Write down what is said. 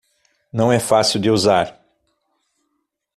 Não é fácil de usar